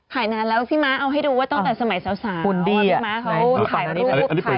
ถ่ายนานแล้วพี่ม้าเอาให้ดูว่าตั้งแต่สมัยสาว